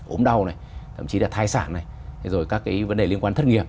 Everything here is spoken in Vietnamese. ốm đau này thậm chí là thai sản này rồi các cái vấn đề liên quan thất nghiệp